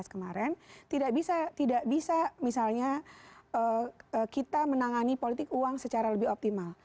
dua ribu empat belas kemaren tidak bisa misalnya kita menangani politik uang secara lebih optimal